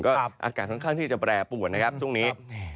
ก็อากาศค่อนข้างที่จะแปรปวดช่วงนี้